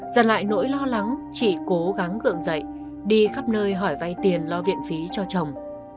dần lại nỗi lo lắng chị cố gắng gượng dậy đi khắp nơi hỏi vay tiền lo viện phí cho chồng